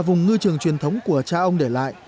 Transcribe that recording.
vùng ngư trường truyền thống của cha ông để lại